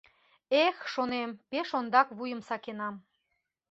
«Эх, — шонем, — пеш ондак вуйым сакенам!»